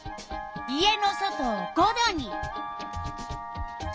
家の外を５℃に。